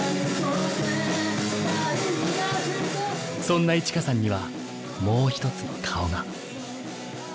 そんな衣千華さんにはもうひとつの顔が。